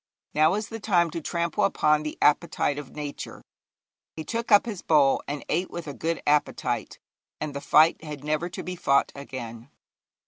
Now is the time to trample upon the appetite of nature.' He took up his bowl, and ate with a good appetite, and the fight had never to be fought again.